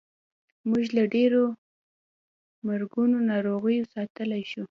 موږ له ډېرو مرګونو ناروغیو ساتلی شو.